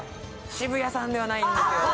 渋谷さんではないんですよ